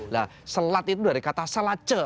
nah selat itu dari kata salace